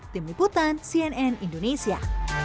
tim liputan cnn indonesia